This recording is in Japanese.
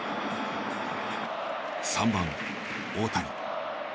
３番大谷。